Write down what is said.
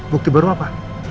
bukti baru apa